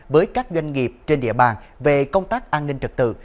với các doanh nghiệp trên địa bàn về công tác an ninh trật tự